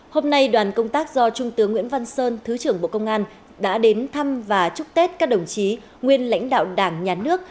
hôm nay đoàn công tác do trung tướng nguyễn văn sơn thứ trưởng bộ công an đã đến thăm và chúc tết các đồng chí nguyên lãnh đạo đảng nhà nước